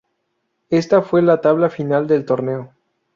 Esta fue la tabla final del torneo.